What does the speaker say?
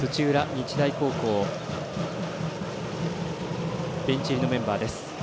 日大高校ベンチ入りのメンバーです。